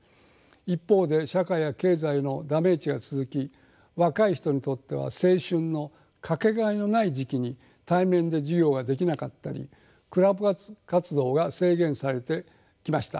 一方で社会や経済のダメージが続き若い人にとっては青春の掛けがえのない時期に対面で授業ができなかったりクラブ活動が制限されてきました。